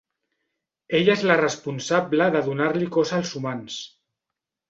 Ella és la responsable de donar-li cos als humans.